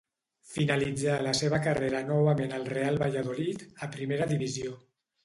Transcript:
Finalitzà la seva carrera novament al Real Valladolid, a primera divisió.